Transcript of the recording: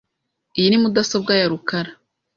Iyi ni mudasobwa ya rukara .